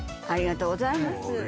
ありがとうございます